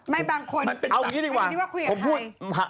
ไม่บางคนเป็นสัตว์เป็นที่ว่าคุยกับใครเอาอย่างนี้ดีกว่าผมพูด